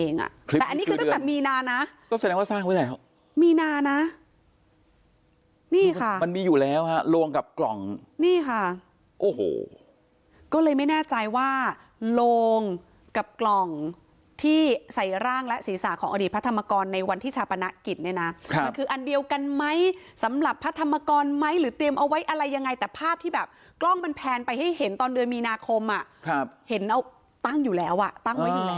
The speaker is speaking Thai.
น่ะนี่ค่ะมันมีอยู่แล้วฮะโลงกับกล่องนี่ค่ะโอ้โหก็เลยไม่แน่ใจว่าโลงกับกล่องที่ใส่ร่างและศีรษะของอดีตพระธรรมกรในวันที่ชาปนกิจนี่น่ะครับคืออันเดียวกันไหมสำหรับพระธรรมกรไหมหรือเตรียมเอาไว้อะไรยังไงแต่ภาพที่แบบกล้องมันแพนไปให้เห็นตอนเดือนมีนาคมอ่ะครับเห็นเอา